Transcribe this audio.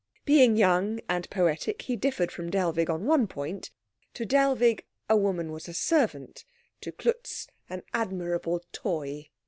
Being young and poetic he differed from Dellwig on one point: to Dellwig, woman was a servant; to Klutz, an admirable toy.